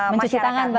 mencuci tangan mbak